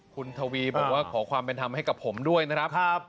คุณทวีบอกว่าขอความเป็นธรรมให้กับผมด้วยนะครับ